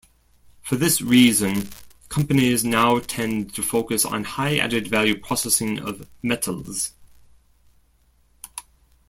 For this reason, companies now tend to focus on high added-value processing of metals.